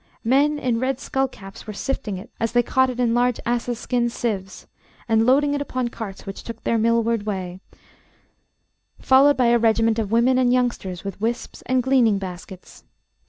Men in red skullcaps were sifting it as they caught it in large asses' skin sieves, and loading it upon carts which took their millward way, followed by a regiment of women and youngsters with wisps and gleaning baskets.